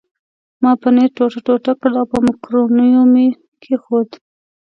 ما پنیر ټوټه ټوټه کړ او په مکرونیو مې کښېښود.